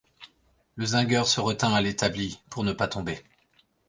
Le zingueur se retint à l'établi pour ne pas tomber.